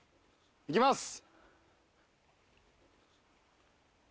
いきます！